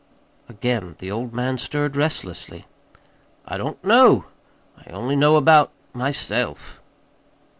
Again the old man stirred restlessly. "I don't know. I only know about myself."